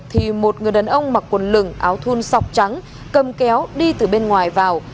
thì một người đàn ông mặc quần lửng áo thun sọc trắng cầm kéo đi từ bên ngoài vào